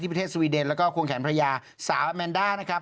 ประเทศสวีเดนแล้วก็ควงแขนภรรยาสาวแมนด้านะครับ